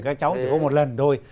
các cháu thì có một lần thôi